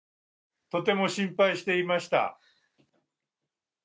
とても心配していました。